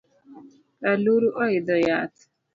Aluru oidho yath